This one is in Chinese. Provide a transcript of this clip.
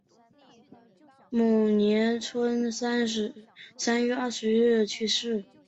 某年春三月二十一日去世。